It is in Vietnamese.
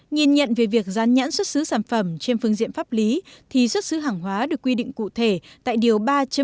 nhìn nhận về việc dán nhãn xuất xứ sản phẩm trên phương diện pháp lý thì xuất xứ hàng hóa được quy định cụ thể tại điều ba một